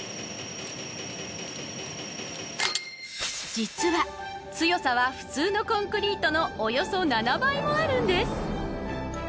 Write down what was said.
実は強さは普通のコンクリートのおよそ７倍もあるんです